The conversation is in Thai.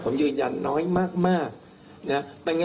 ผมยืนยันน้อยมากนะ